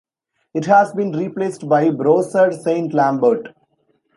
It has been replaced by Brossard-Saint-Lambert.